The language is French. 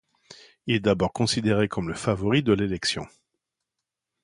Il est d'abord considéré comme le favori de l'élection.